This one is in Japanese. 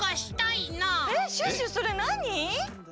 えシュッシュそれなに？